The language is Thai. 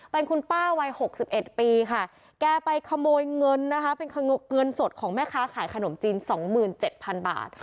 เป็นคุณป้าวัย๖๑ปีค่ะแกไปขโมยเงินนะคะเป็นเงินสดของแม่ค้าขายขนมจีน๒๗๐๐บาท